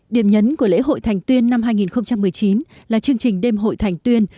điểm nhấn của lễ hội thành tuyên năm hai nghìn một mươi chín là chương trình đêm hội thành tuyên